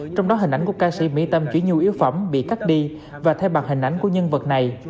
trong đó hình ảnh của ca sĩ mỹ tâm chỉ nhu yếu phẩm bị cắt đi và thay mặt hình ảnh của nhân vật này